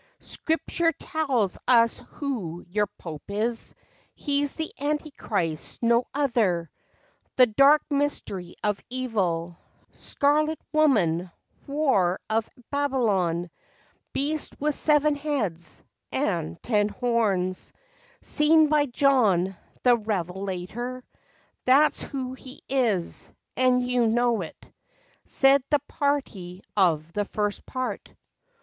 123 " Scripture tells us who your Pope is ; He's the Anti Christ, no other, The Dark Mystery of Evil, Scarlet woman, whore of Bab'lon, Beast with seven heads, and ten horns, Seen by John the revelator; That's who he is, and you know it," Said the party of the first part.